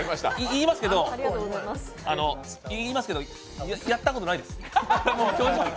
言いますけど、やったことないです正直。